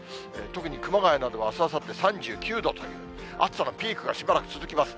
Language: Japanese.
特に熊谷などは、あす、あさって３９度と、暑さのピークがしばらく続きます。